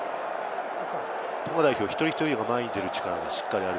トンガ代表は一人一人が前に出る力がしっかりある。